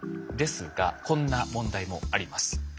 ですがこんな問題もあります。